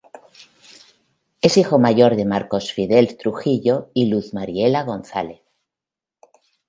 Es Hijo mayor de Marcos Fidel Trujillo y Luz Mariela González.